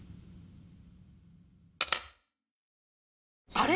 あれ？